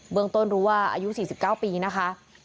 เมืองต้นรู้ว่าอายุ๔๙ปีนะคะ